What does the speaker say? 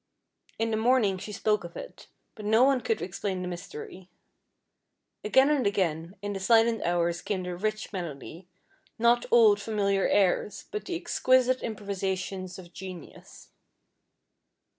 In the morning she spoke of it, but no one could explain the mystery. Again and again, in the silent hours came the rich melody, not old familiar airs, but the exquisite improvisations of genius.